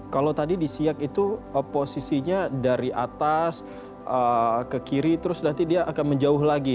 kalau tadi di siak itu posisinya dari atas ke kiri terus nanti dia akan menjauh lagi